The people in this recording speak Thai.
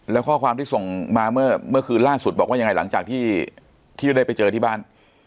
แล้วข้อความที่ส่งมาเมื่อคืนล่าสุดบอกว่ายังไงหลังจากที่ได้ไปเจอที่บ้าน